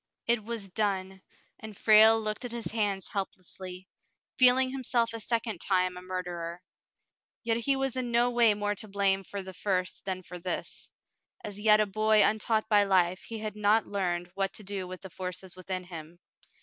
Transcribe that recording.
It was done, and Frale looked at his hands helplessly, feeling himself a second time a murderer. Yet he was in no way more to blame for the first than for this. As yet a boy untaught by life, he had not learned what to do with the forces within him.